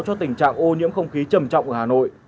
cho tình trạng ô nhiễm không khí trầm trọng ở hà nội